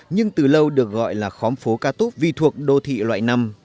nhưng từ lâu được gọi là khóm phố cát úc vì thuộc đô thị loại năm